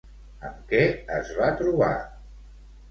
Amb què es va trobar?